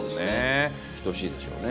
等しいでしょうね。